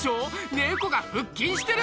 猫が腹筋してる！